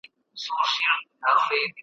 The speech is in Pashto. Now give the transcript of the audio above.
ډيپلوماتيکي حل لارې تل ګټوري ثابتیږي.